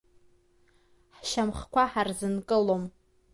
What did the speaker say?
Ҳшьамхқәа ҳарзынкылом!